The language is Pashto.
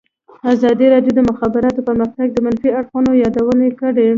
ازادي راډیو د د مخابراتو پرمختګ د منفي اړخونو یادونه کړې.